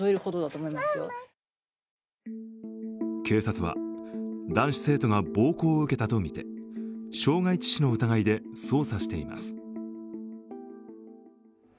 警察は、男子生徒が暴行を受けたとみて傷害致死の疑いで捜査しています。